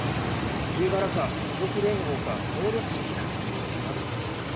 家柄か貴族連合か能力主義か決まるんですよ。